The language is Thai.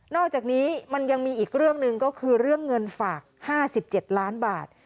อกจากนี้มันยังมีอีกเรื่องหนึ่งก็คือเรื่องเงินฝาก๕๗ล้านบาท